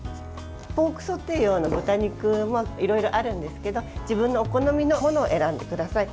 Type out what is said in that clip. ポークソテー用の豚肉もいろいろあるんですけど自分のお好みのものを選んでください。